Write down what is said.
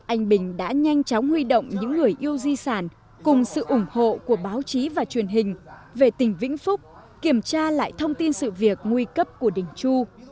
anh bình đã nhanh chóng huy động những người yêu di sản cùng sự ủng hộ của báo chí và truyền hình về tỉnh vĩnh phúc kiểm tra lại thông tin sự việc nguy cấp của đình chu